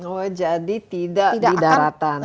oh jadi tidak di daratan